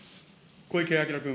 小池晃君。